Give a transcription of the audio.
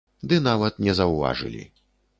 Ды нават не заўважылі!